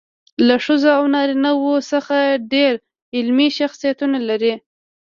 له ښځو او نارینه وو څخه ډېر علمي شخصیتونه لري.